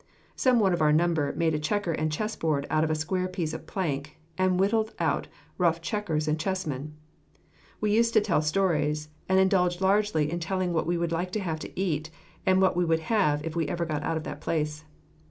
Some one of our number made a checker and chess board out of a square piece of plank, and whittled out rough checkers and chessmen. We used to tell stories, and indulged largely in telling what we would like to have to eat, and what we would have if we ever got out of that place.